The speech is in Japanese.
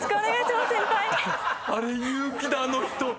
あれ言う気だあの人。